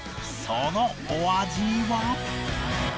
そのお味は？